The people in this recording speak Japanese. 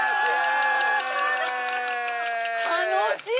楽しい！